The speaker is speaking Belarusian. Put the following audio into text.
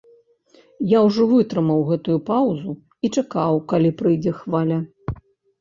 Я ўжо вытрымаў гэтую паўзу і чакаў, калі прыйдзе хваля.